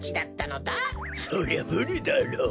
そりゃむりだろう。